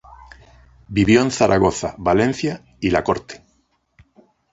Vivió en Zaragoza, Valencia y la Corte.